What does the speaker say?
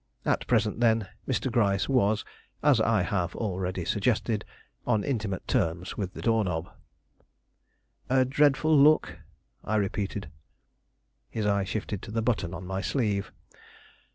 At present, then, Mr. Gryce was, as I have already suggested, on intimate terms with the door knob. "A dreadful look," I repeated. His eye shifted to the button on my sleeve.